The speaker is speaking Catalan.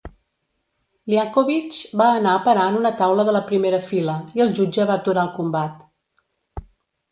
Liakhovich va anar a parar en una taula de la primera fila, i el jutge va aturar el combat.